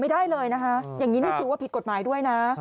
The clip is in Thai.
ไม่ได้เลยนะคะอย่างนี้นี่ถือว่าผิดกฎหมายด้วยนะ